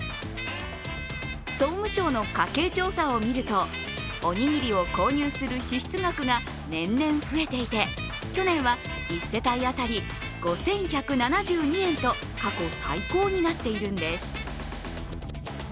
総務省の家計調査を見るとおにぎりを購入する支出額が年々増えていて去年は１世帯当たり５１７２円と過去最高になっているんです。